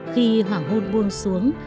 khi hoàng hôn buông xuống